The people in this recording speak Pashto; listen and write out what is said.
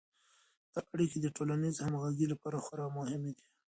دا اړیکې د ټولنیز همغږي لپاره خورا مهمې دي.